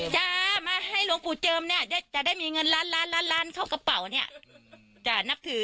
เจอแต่นักข่าว